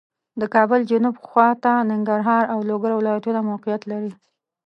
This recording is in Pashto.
د کابل جنوب خواته ننګرهار او لوګر ولایتونه موقعیت لري